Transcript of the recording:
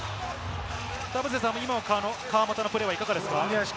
田臥さんも今、川真田のプレー、いかがですか？